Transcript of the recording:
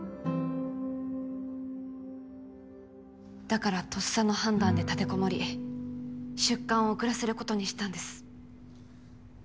だからとっさの判断で立てこもり出棺を遅らせることにしたんです。